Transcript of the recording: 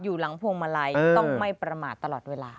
อยู่หลังพวงมาลัยต้องไม่ประมาทตลอดเวลา